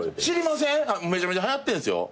めちゃめちゃはやってんすよ。